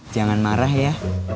jangan marah ya